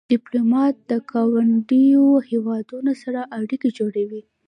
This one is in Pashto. ډيپلومات د ګاونډیو هېوادونو سره اړیکې جوړوي.